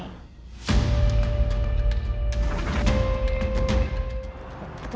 pertama apa yang harus dilakukan